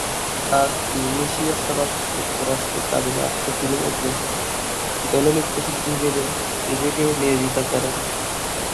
তার তিউনিসীয় সনদ যুক্তরাষ্ট্রে কাজে না আসলে তিনি একজন ব্যালে নৃত্যশিল্পী হিসেবে নিজেকে নিয়োজিত করেন।